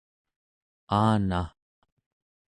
aana